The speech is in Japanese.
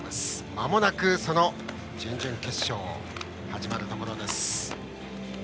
まもなく、その準々決勝が始まるところです。